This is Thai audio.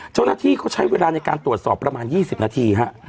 เจ้าหน้าที่เขาใช้เวลาในการตรวจสอบประมาณ๒๐นาทีฮะ